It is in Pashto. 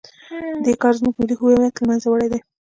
دې کار زموږ ملي هویت له منځه وړی دی.